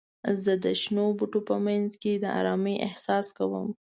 زه د شنو بوټو په منځ کې د آرامۍ احساس کوم.